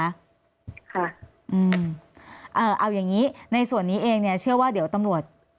ค่ะอืมเอ่อเอาอย่างงี้ในส่วนนี้เองเนี่ยเชื่อว่าเดี๋ยวตำรวจ